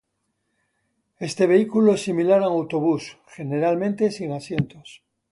Este vehículo es similar a un autobús, generalmente sin asientos.